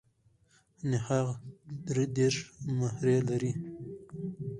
نخاع درې دیرش مهرې لري.